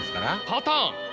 パターン！